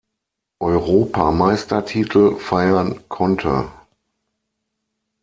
Europameistertitel feiern konnte.